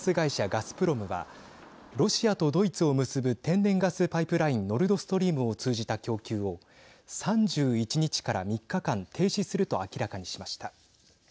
ガスプロムはロシアとドイツを結ぶ天然ガスパイプラインノルドストリームを通じた供給を３１日から３日間停止すると明らかにしました。